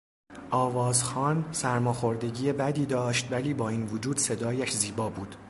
آواز خوان سرماخوردگی بدی داشت ولی با این وجود صدایش زیبا بود.